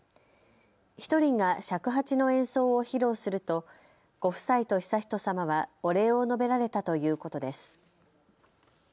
１人が尺八の演奏を披露するとご夫妻と悠仁さまはお礼を述べられたということです。